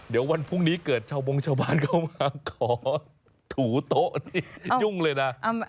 เดี๋ยววันพรุ่งนี้เกิดชาวบงชาวบ้านเข้ามาขอถูโต๊ะนี่ยุ่งเลยนะ